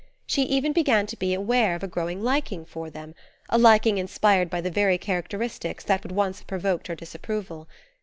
She even began to be aware of a growing liking for them, a liking inspired by the very characteristics that would once have provoked her disapproval.